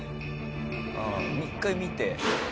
ああ一回見て。